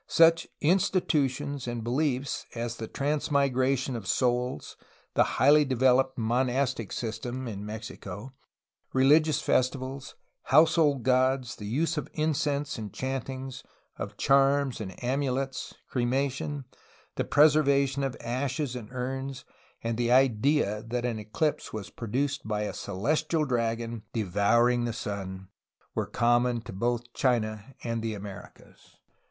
Such institutions and beliefs as the transmigration of souls, the highly developed monas tic system (in Mexico), religious festivals, household gods, the use of incense and chantings, of charms and amulets, cremation, the preservation of ashes in urns, and the idea that an eclipse was produced by a celestial dragon devour 24 A HISTORY OF CALIFORNIA ing the sun were common to both China and the Americas.